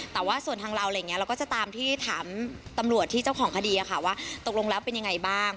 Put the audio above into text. แต่ว่าส่วนทางเราอะไรอย่างนี้เราก็จะตามที่ถามตำรวจที่เจ้าของคดีว่าตกลงแล้วเป็นยังไงบ้าง